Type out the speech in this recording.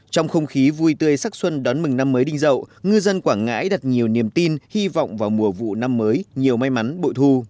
trong không khí vui tươi sắc xuân đón mừng năm mới đinh rậu ngư dân quảng ngãi đặt nhiều niềm tin hy vọng vào mùa vụ năm mới nhiều may mắn bội thu